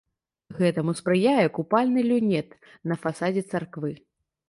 Гэтаму спрыяе купальны люнет на фасадзе царквы.